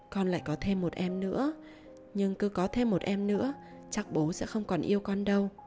con lại có thêm một em nữa nhưng cứ có thêm một em nữa chắc bố sẽ không còn yêu con đâu